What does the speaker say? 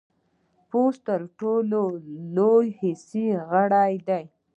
پوست ټولو لوی حسي غړی دی.